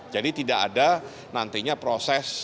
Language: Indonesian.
jadi tidak ada nantinya proses